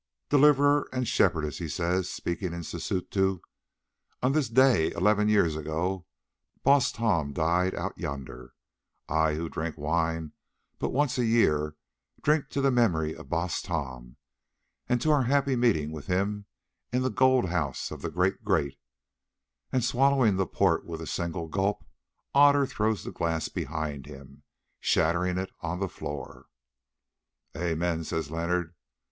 "Deliverer and Shepherdess," he says, speaking in Sisutu, "on this day eleven years gone Baas Tom died out yonder; I, who drink wine but once a year, drink to the memory of Baas Tom, and to our happy meeting with him in the gold House of the Great Great"; and swallowing the port with a single gulp Otter throws the glass behind him, shattering it on the floor. "Amen," says Leonard.